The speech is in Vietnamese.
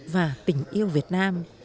và tình yêu việt nam